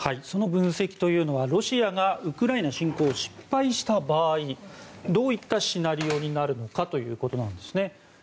その分析というのはロシアがウクライナ侵攻に失敗した場合どういったシナリオになるのかということなんです。